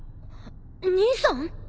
兄さん？